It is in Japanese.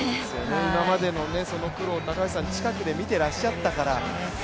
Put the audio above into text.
今までの苦労、高橋さん、近くで見てらっしゃったから。